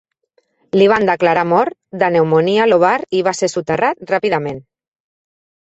Li van declarar mort de pneumònia lobar i va ser soterrat ràpidament.